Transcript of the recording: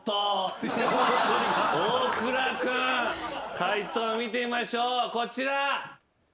解答見てみましょうこちら。